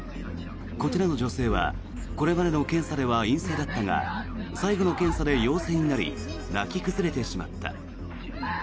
こちらの女性はこれまでの検査では陰性だったが最後の検査で陽性になり泣き崩れてしまった。